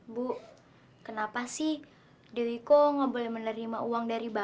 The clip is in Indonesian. bu kenapa sih dewi kok gak boleh menerima uang dari bapak